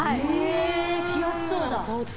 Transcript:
着やすそうだ。